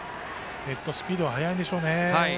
ヘッドスピードが速いんでしょうね。